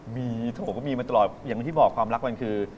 มีผมก็มีมาตลอดอย่างที่บอกความรักมันคือ